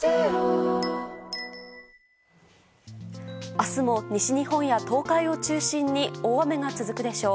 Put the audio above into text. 明日も西日本や東海を中心に大雨が続くでしょう。